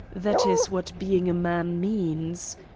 That is what being a man means.